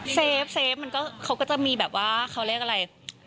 เฟฟมันก็เขาก็จะมีแบบว่าเขาเรียกอะไร